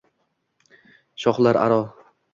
Shohlar aro